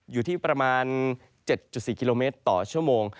อยู่ที่ประมาณ๗๔กิโลเมตรต่อชั่วโมง